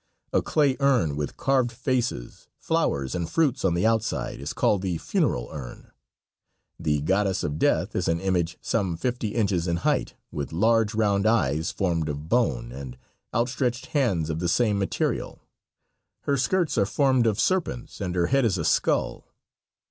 A clay urn with carved faces, flowers and fruits on the outside, is called the "Funeral Urn." The "Goddess of Death" is an image some fifty inches in height, with large round eyes formed of bone, and outstretched hands of the same material. Her skirts are formed of serpents and her head is a skull.